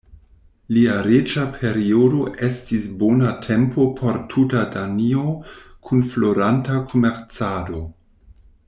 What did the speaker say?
Lia reĝa periodo estis bona tempo por tuta Danio kun floranta komercado.